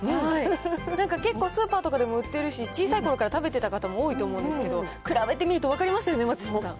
なんか結構、スーパーとかでも売ってるし、小さいころから食べてた方も多いと思うんですけど、比べてみると分かりますよね、松嶋さん。